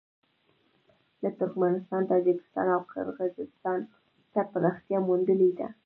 لکه ترکمنستان، تاجکستان او قرغېزستان ته پراختیا موندلې ده.